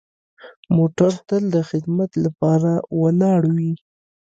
موټر تل د خدمت لپاره ولاړ وي.